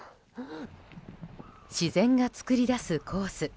自然が作り出すコース。